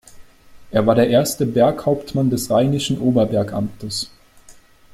Er war der erste Berghauptmann des rheinischen Oberbergamtes.